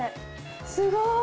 すごい。